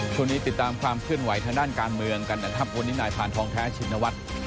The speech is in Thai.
ช่วงนี้ติดตามความเชื่อมไหวทางด้านการเมืองกันดับวันนี้นายผ่านท้องแท้ชินวัฒน์